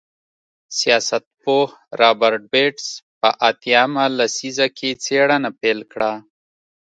سیاستپوه رابرټ بېټس په اتیا مه لسیزه کې څېړنه پیل کړه.